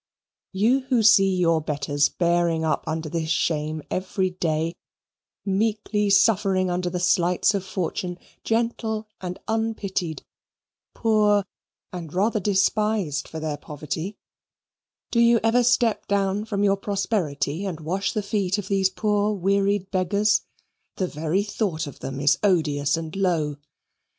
You who see your betters bearing up under this shame every day, meekly suffering under the slights of fortune, gentle and unpitied, poor, and rather despised for their poverty, do you ever step down from your prosperity and wash the feet of these poor wearied beggars? The very thought of them is odious and low.